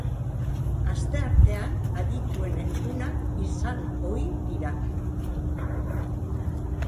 Astearteak adituen egunak izan ohi dira.